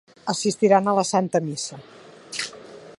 Assistiran a la santa missa.